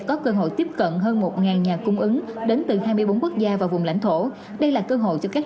có cơ hội tiếp cận hơn một nhà cung ứng đến từ hai mươi bốn quốc gia và vùng lãnh thổ đây là cơ hội cho các